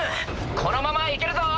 このままいけるぞ。